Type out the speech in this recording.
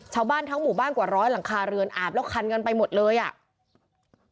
ชาวบ้านทั้งหมู่บ้านกว่าร้อยหลังคาเรือนอาบแล้วคันกันไปหมดเลยอ่ะ